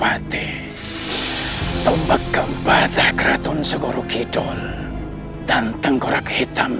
hadung madar keraton segera kidul tenteng gorak hitam